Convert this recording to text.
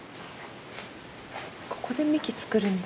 ここでみき作るんだ。